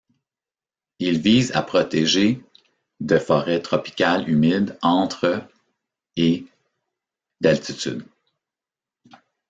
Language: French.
Il vise à protéger de forêt tropicale humide entre et d'altitude.